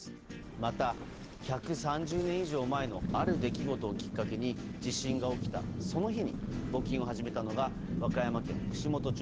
また１３０年以上前のある出来事をきっかけに地震が起きたその日に募金を始めたのが和歌山県串本町。